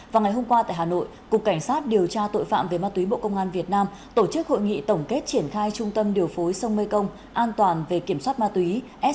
vào ngày hôm qua tại hà nội cục cảnh sát điều tra tội phạm về ma túy bộ công an việt nam tổ chức hội nghị tổng kết triển khai trung tâm điều phối sông mê công an toàn về kiểm soát ma túy